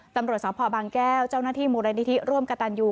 ตำรวจสพบางแก้วเจ้าหน้าที่มูลนิธิร่วมกระตันยู